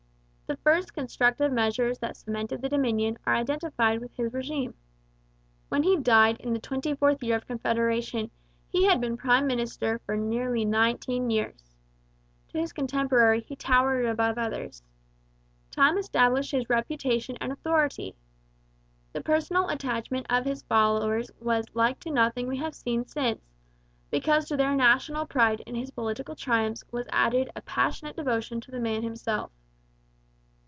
The first constructive measures that cemented the Dominion are identified with his régime. When he died in the twenty fourth year of Confederation he had been prime minister for nearly nineteen years. To his contemporaries he towered above others. Time established his reputation and authority. The personal attachment of his followers was like to nothing we have seen since, because to their natural pride in his political triumphs was added a passionate devotion to the man himself.